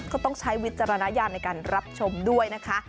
ต้องใช้วิจารณญาณในการรับชมด้วยนะคะ